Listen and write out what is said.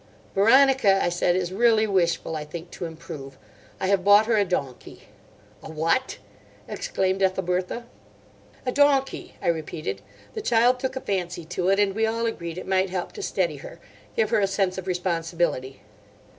"Veronica," I said, "is really wishful, I think, to improve. I have bought her a donkey." "A what?" exclaimed Ethelbertha. "A donkey," I repeated. "The child took a fancy to it, and we all agreed it might help to steady her—give her a sense of responsibility."